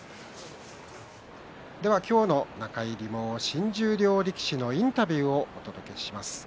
今日の中入りは新十両力士のインタビューをお届けします。